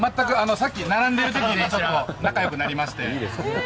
さっき並んでる時に仲良くなりまして。